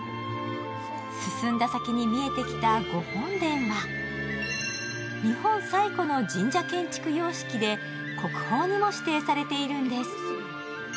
進んだ先に見えてきた御本殿は日本最古の神社建築様式で国宝にも指定されているんです。